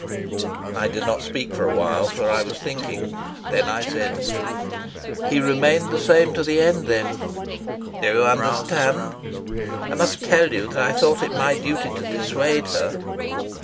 I did not speak for a while, for I was thinking. Then I said: "He remained the same to the end, then." "Do you understand? I must tell you that I thought it my duty to dissuade her."